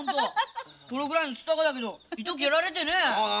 このぐらいの釣ったがだけど糸切られてね。